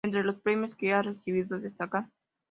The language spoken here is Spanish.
Entre los premios que ha recibido destacan